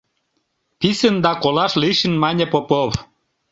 — писын да колаш лийшын мане Попов.